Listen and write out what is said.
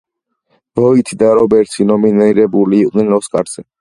ვოითი და რობერტსი ნომინირებული იყვნენ ოსკარზე.